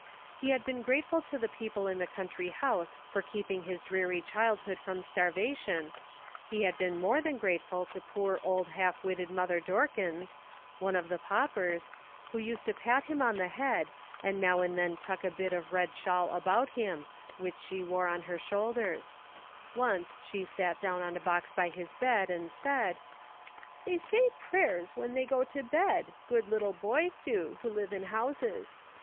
He had been grate ful to the people in the county house for keeping his dreary childhood from starvation ; he had been more than grateful to poor old half witted Mother Dorkins, one of the paupers, who used to pat him on the head, and now and then tuck a bit of red shawl about him, which she wore on her shoulders ; once she sat down on a box by his bed and said :" They say prayers when they go to bed, good little boys do, who live in houses.